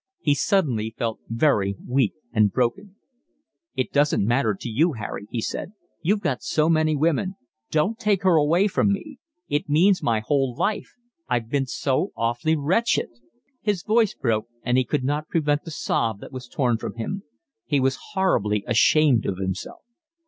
He suddenly felt very weak and broken. "It doesn't matter to you, Harry," he said. "You've got so many women—don't take her away from me. It means my whole life. I've been so awfully wretched." His voice broke, and he could not prevent the sob that was torn from him. He was horribly ashamed of himself.